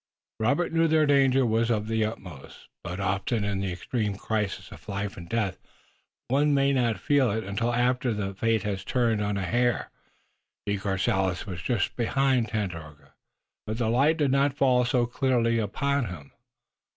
Robert knew their danger was of the uttermost, but often, in the extreme crises of life and death, one may not feel until afterward that fate has turned on a hair. De Courcelles was just behind Tandakora, but the light did not fall so clearly upon him.